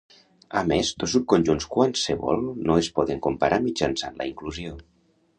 A més, dos subconjunts qualssevol no es poden comparar mitjançant la inclusió.